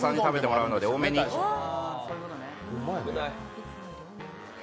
今日は矢田さんに食べてもらうので多めに。